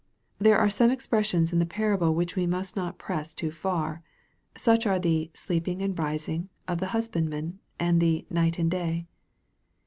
There are some expressions in the parable which we must not press too far. Such are the " sleeping and rising" of the husband man, and the " night and day."